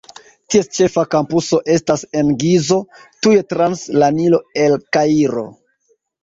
Ties ĉefa kampuso estas en Gizo, tuj trans la Nilo el Kairo.